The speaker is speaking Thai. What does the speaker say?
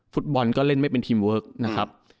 ฟุตบอลก็เล่นไม่เป็นทีมเวิร์ก